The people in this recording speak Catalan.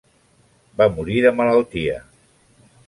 Va morir de malaltia.